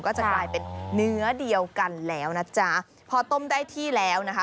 ก็จะกลายเป็นเนื้อเดียวกันแล้วนะจ๊ะพอต้มได้ที่แล้วนะคะ